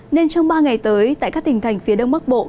nên trong ba ngày tới tại các tỉnh thành phía đông bắc bộ